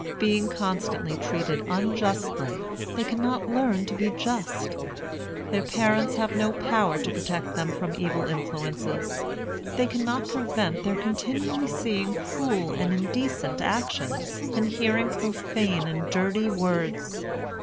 Being constantly treated unjustly, they cannot learn to be just. Their parents have no power to protect them from evil influences. They cannot prevent their continually seeing cruel and indecent actions, and hearing profane and dirty words.